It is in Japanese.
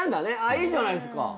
いいじゃないっすか。